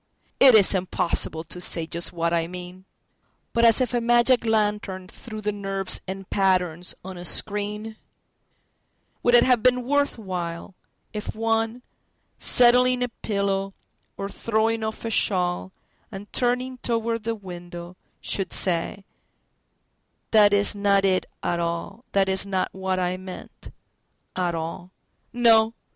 —It is impossible to say just what I mean! But as if a magic lantern threw the nerves in patterns on a screen:Would it have been worth whileIf one, settling a pillow or throwing off a shawl, And turning toward the window, should say:"That is not it at all, That is not what I meant, at all."……..No!